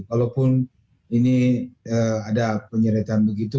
walaupun ini ada penyeretan begitu